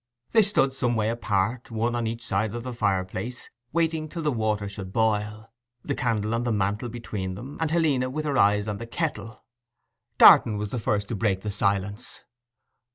They stood some way apart, one on each side of the fireplace, waiting till the water should boil, the candle on the mantel between them, and Helena with her eyes on the kettle. Darton was the first to break the silence.